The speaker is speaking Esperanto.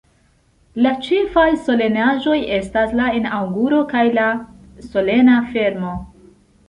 La ĉefaj solenaĵoj estas la Inaŭguro kaj la Solena Fermo.